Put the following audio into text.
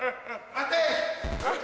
待て！